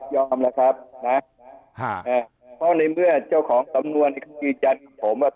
ยอมแล้วครับนะห้าเพราะในเมื่อเจ้าของสำนวนคือจันทร์ผมว่า